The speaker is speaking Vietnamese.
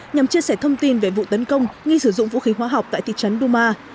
nhằm chia sẻ thông tin về vụ tấn công nghi sử dụng vũ khí hóa học tại thị trấn duma